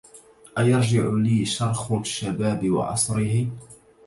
أيرجع لي شرخ الشباب وعصره